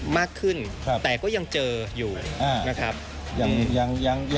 มากขึ้นแต่ก็ยังเจออยู่นะครับ